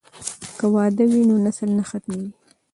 که واده وي نو نسل نه ختمیږي.